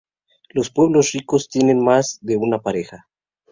Los pueblos ricos tienen más de una pareja.